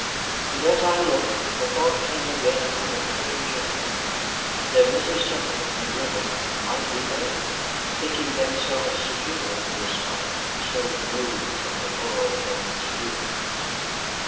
And as I looked, the thought came again like a twinge of pain that Mrs. Temple and Riddle might be there, thinking themselves secure in this spot, so removed from the world and its doings.